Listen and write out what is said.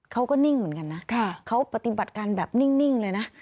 เขาก็นิ่งเหมือนกันนะเขาปฏิบัติการแบบนิ่งเลยนะ